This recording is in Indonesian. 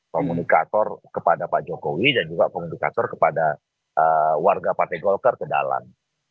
komunikator kepada pak jokowi dan juga komunikator kepada warga partai golkar ke dalam